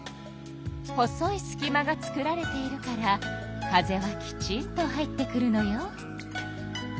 細いすき間が作られているから風はきちんと入ってくるのよ。